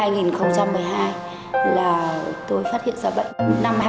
năm hai nghìn một mươi hai là tôi phát hiện ra bệnh